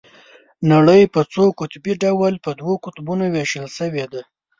نړۍ په څو قطبي ډول په دوو قطبونو ويشل شوې ده.